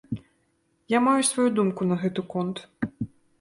Я маю сваю думку на гэты конт.